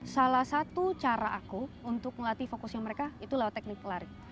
salah satu cara aku untuk melatih fokusnya mereka itu lewat teknik lari